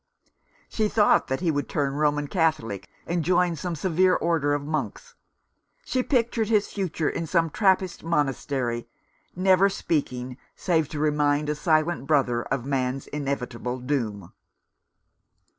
She thought that he would turn Roman Catholic and join some severe order of monks. She pictured his future in some Trappist Monastery, never speaking save to remind a silent brother of man's inevitable doom.